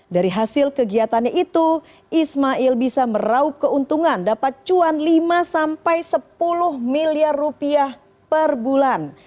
dari hasil kegiatannya itu ismail bisa meraup keuntungan dapat cuan lima sampai sepuluh miliar rupiah per bulan